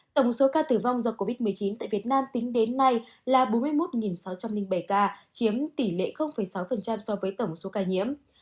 tổng số ca tử vong do covid một mươi chín tại việt nam tính đến nay là bốn mươi một sáu trăm linh bảy ca chiếm tỷ lệ sáu so với tổng số ca nhiễm